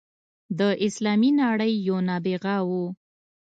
د اسلامي نړۍ یو نابغه وو.